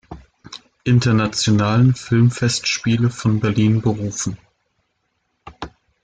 Internationalen Filmfestspiele von Berlin berufen.